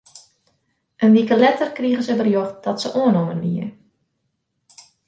In wike letter krige se berjocht dat se oannommen wie.